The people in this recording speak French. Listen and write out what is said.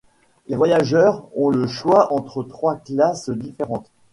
Les voyageurs ont le choix entre trois classes différentes.